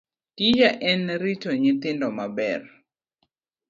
Tija en rito nyithindo maber